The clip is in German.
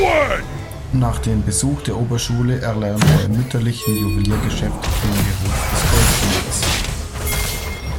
Nach dem Besuch der Oberschule erlernt er im mütterlichen Juweliergeschäft den Beruf des Goldschmieds.